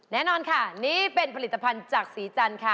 แน่นอนค่ะนี่เป็นผลิตภัณฑ์จากสีจันทร์ค่ะ